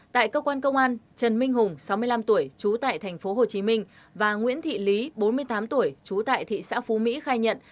tại cơ quan công an trần minh hùng sáu mươi năm tuổi trú tại tp hcm và nguyễn thị lý bốn mươi tám tuổi trú tại thị xã phú mỹ khai nhận